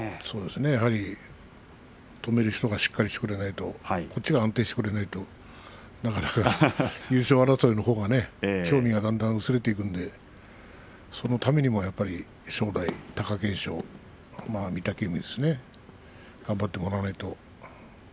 やはり止める人がしっかりしてくれないとこっちが安定してくれないとなかなか優勝争いのほうが興味が、だんだん薄れていくのでそのためにもやっぱり正代、貴景勝、御嶽海ですね頑張ってもらわないと。